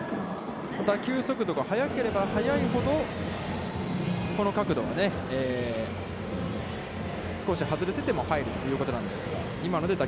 打球速度が早ければ速いほど、この角度はね、少し外れてても入るということなんですが。